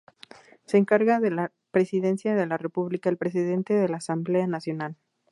Se encarga de la Presidencia de la República el presidente de la Asamblea Nacional.